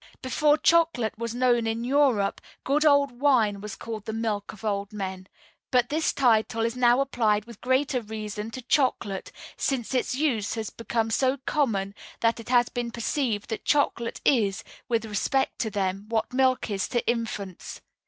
"Before chocolate was known in Europe, good old wine was called the milk of old men; but this title is now applied with greater reason to chocolate, since its use has become so common that it has been perceived that chocolate is, with respect to them, what milk is to infants.